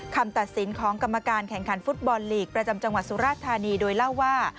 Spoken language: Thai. คำตัดสินของกรรมการแข่งขันฟุตบอลลีกประจำจังหวัดสุราธานีโดยเล่าว่า